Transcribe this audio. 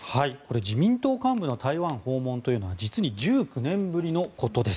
自民党幹部の台湾訪問というのは実に１９年ぶりのことです。